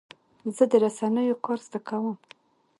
زه د رسنیو کار زده کوم.